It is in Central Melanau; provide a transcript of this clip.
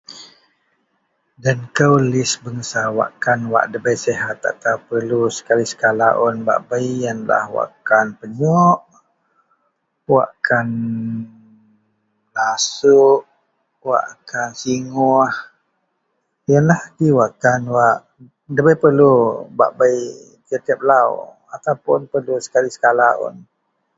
den kou list bangsa wakan wak dabei sihat atau perlu sekali-sekala un bak bei ienlah wakan dengouk wakan lasuk, wakan siguoh ienlah ji wakan wak dabei perlu bak bei tiap-tiap lau ataupun perlu sekali-sekali wa